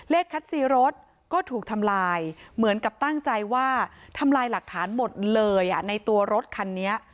คัดซีรถก็ถูกทำลายเหมือนกับตั้งใจว่าทำลายหลักฐานหมดเลยในตัวรถคันนี้